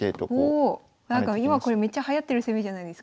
おなんか今これめっちゃはやってる攻めじゃないですか。